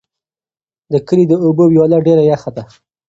د کلي د اوبو ویاله ډېره یخه ده.